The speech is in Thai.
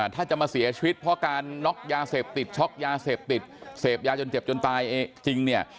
ถ้าจะมาเสียชีวิตเพราะการน็อกยาเสพติดช็อกยาเสพติดเสพยาจนเจ็บจนตายจริงเนี่ย